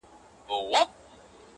له بدانو سره ښه په دې معنا ده,